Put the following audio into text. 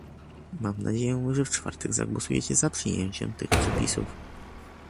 Mam nadzieję, że w czwartek zagłosujecie za przyjęciem tych przepisów